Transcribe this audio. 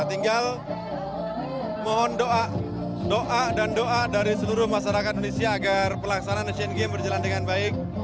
tinggal mohon doa dan doa dari seluruh masyarakat indonesia agar pelaksanaan asian games berjalan dengan baik